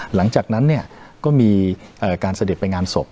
หลังจากนั้นก็มีการเสด็จไปงานศพ